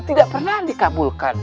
tidak pernah dikabulkan